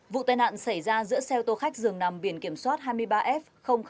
vụ tai nạn xảy ra giữa xe ô tô khách dường nằm biển kiểm soát hai mươi ba f năm mươi tám